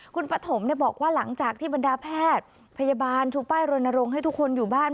คุณปฐมบอกว่าหลังจากที่บรรดาแพทย์พยาบาลชูป้ายรณรงค์ให้ทุกคนอยู่บ้าน